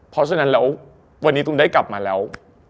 เพราะฉะนั้นแล้ววันนี้ตุ้มได้กลับมาแล้ว